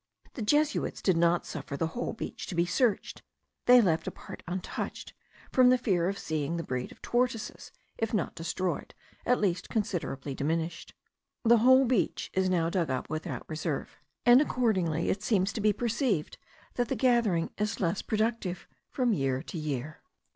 The Jesuits did not suffer the whole beach to be searched; they left a part untouched, from the fear of seeing the breed of tortoises, if not destroyed, at least considerably diminished. The whole beach is now dug up without reserve; and accordingly it seems to be perceived that the gathering is less productive from year to year.